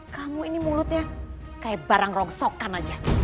kamu ini mulutnya kayak barang rongsokan aja